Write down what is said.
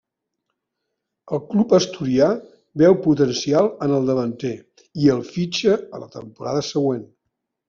El club asturià veu potencial en el davanter i el fitxa a la temporada següent.